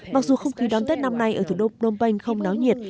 mặc dù không khí đón tết năm nay ở thủ đô phnom penh không náo nhiệt